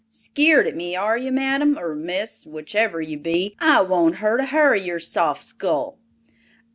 Skeered at me, are you, madam or miss, whichever you be? I won't hurt a har of your soft skull!"